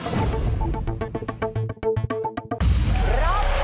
รอบจำนำ